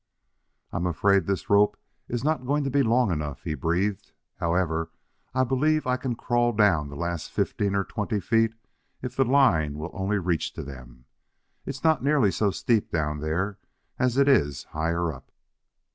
"I'm afraid this rope is not going to be long enough," he breathed. "However, I believe I can crawl down the last fifteen or twenty feet if the line will only reach to them. It's not nearly so steep down there as it is higher up."